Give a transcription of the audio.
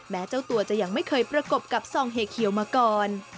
เจ้าตัวจะยังไม่เคยประกบกับซองเฮเขียวมาก่อน